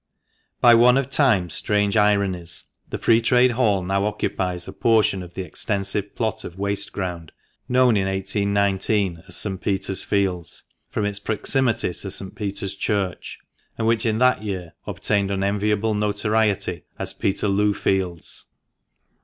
— By one of Time's strange ironies the Free Trade Hall now occupies a portion of the extensive plot of waste ground known in 1819 as 476 FINAL APPENDIX. St. Peter's Fields, from its proximity to St. Peter's Church, and which in that year obtained unenviable notoriety as Peterloo Fields.